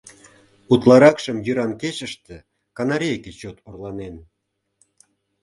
Утларакшым йӱран кечыште канарейке чот орланен.